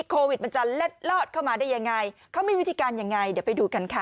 โควิดมันจะเล็ดลอดเข้ามาได้ยังไงเขามีวิธีการยังไงเดี๋ยวไปดูกันค่ะ